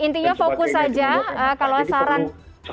intinya fokus saja